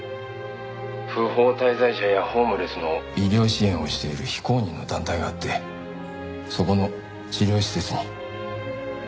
「不法滞在者やホームレスの」医療支援をしている非公認の団体があってそこの治療施設に。